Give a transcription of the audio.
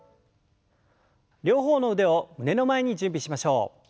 両方の腕を胸の前に準備しましょう。